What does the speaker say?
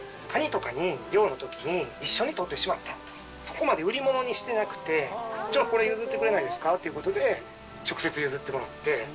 カニとかに漁の時に一緒にとれてしまったそこまで売り物にしてなくて「じゃあこれ譲ってくれないですか？」という事で直接譲ってもらって。